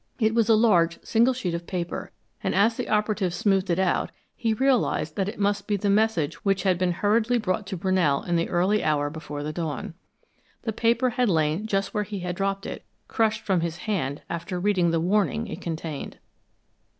It was a large single sheet of paper, and as the operative smoothed it out, he realized that it must be the message which had been hurriedly brought to Brunell in the early hour before the dawn. The paper had lain just where he had dropped it, crushed from his hand after reading the warning it contained.